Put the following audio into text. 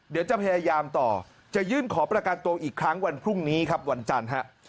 เดี๋ยวจะพยายามต่อจะยื่นขอประกันตัวอีกครั้งวันพรุ่งนี้ครับวันจันทร์ฮะ